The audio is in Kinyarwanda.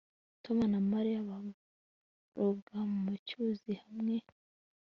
Tom na Mariya baroga mu cyuzi hamwe